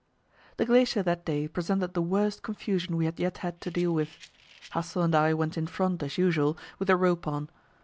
The glacier that day presented the worst confusion we had yet had to deal with. Hassel and I went in front, as usual, with the rope on.